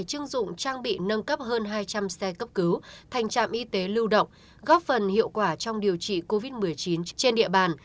hơn hai trăm linh xe cấp cứu thành trạm y tế lưu động góp phần hiệu quả trong điều trị covid một mươi chín trên địa bàn